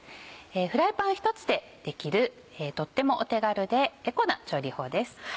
フライパン１つでできるとってもお手軽でエコな調理法です。